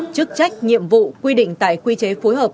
chức trách nhiệm vụ quy định tại quy chế phối hợp